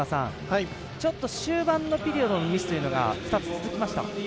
ちょっと終盤のピリオドのミスというのが２つ続きました。